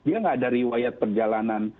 dia nggak ada riwayat perjalanan